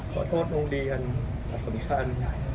ขอโทษโรงเรียนอัศักดิ์สำคัญ